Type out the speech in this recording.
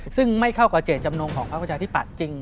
ซึ่งไม่เข้ากับเจตจำนวงของพระอุจจันทร์ที่ปัดจริง